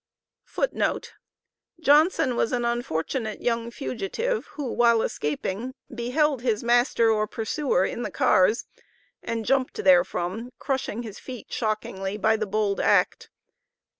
[Footnote A: Johnson was an unfortunate young fugitive, who, while escaping, beheld his master or pursuer in the cars, and jumped therefrom, crushing his feet shockingly by the bold act.